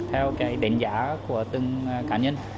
theo cái đánh giá của từng cá nhân